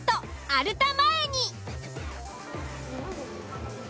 アルタ前に。